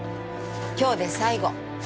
今日で最後。